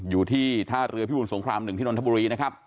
อยู่ที่ท่าเรือพิบูรสงคราม๑ที่นนทบุรีนะครับ